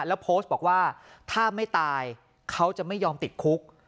แล้วโพสต์บอกว่าถ้าไม่ตายเขาจะไม่ยอมติดคุก